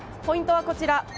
ポイントはこちら。